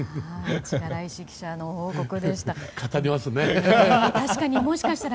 力石記者の報告でした。